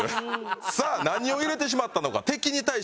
さあ何を入れてしまったのか？